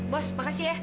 bos makasih ya